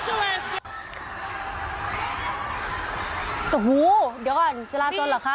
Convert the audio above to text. โอ้โหเดี๋ยวก่อนจราจนเหรอคะ